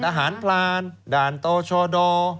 ด่านอาหารพลานด่านต่อชด